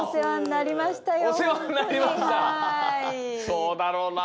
そうだろうな。